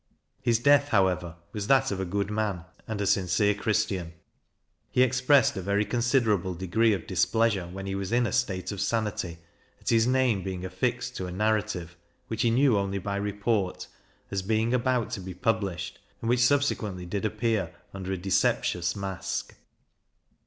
His death, however, was that of a good man, and a sincere christian. He expressed a very considerable degree of displeasure, when he was in a state of sanity, at his name being affixed to a narrative, which he knew only by report, as being about to be published, and which subsequently did appear, under a deceptious mask.